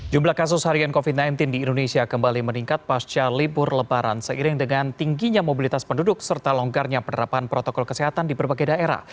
jumlah kasus harian covid sembilan belas di indonesia kembali meningkat pasca libur lebaran seiring dengan tingginya mobilitas penduduk serta longgarnya penerapan protokol kesehatan di berbagai daerah